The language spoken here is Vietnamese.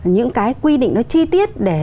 những cái quy định nó chi tiết để